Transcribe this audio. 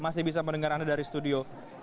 masih bisa mendengar anda dari studio